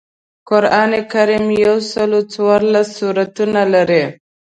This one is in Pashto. قران کریم یوسل او څوارلس سورتونه لري